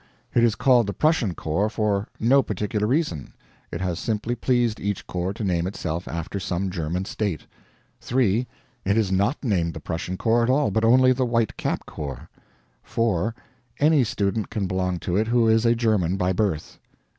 It is called the Prussian Corps for no particular reason. It has simply pleased each corps to name itself after some German state. 3. It is not named the Prussian Corps at all, but only the White Cap Corps. 4. Any student can belong to it who is a German by birth.